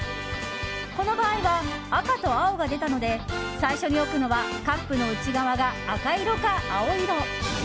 この場合は赤と青が出たので最初に置くのはカップの内側が赤色か青色。